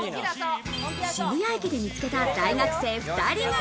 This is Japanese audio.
渋谷駅で見つけた大学生２人組。